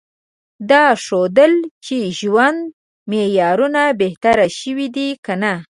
دا ښودل چې ژوند معیارونه بهتر شوي دي که نه؟